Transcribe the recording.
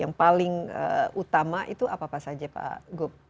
yang paling utama itu apa apa saja pak gup